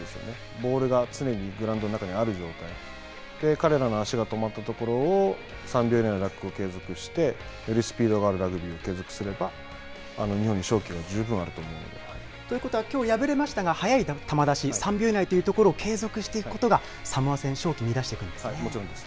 ボールが常にグラウンドの中にある状態、彼らの足が止まったところを３秒以内のを継続してスピードがあるラグビーを継続すれば、日本に勝機は十分あると思うので、ということはきょう、敗れましたが、速い球出し、３秒以内というところを継続していくことがサモア戦、勝機見いだしていくんもちろんです。